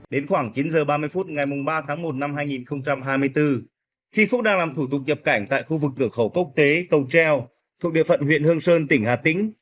đến khoảng chín h ba mươi phút ngày ba tháng một năm hai nghìn hai mươi bốn khi phúc đang làm thủ tục nhập cảnh tại khu vực cửa khẩu cốc tế cầu treo thuộc địa phận huyện hương sơn tỉnh hà tĩnh